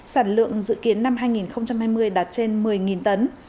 sản lượng dự kiến năm hai nghìn hai mươi đạt trên một mươi tấn